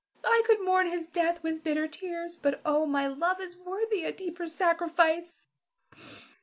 I could mourn his death with bitter tears; but oh, my love is worthy a deeper sacrifice!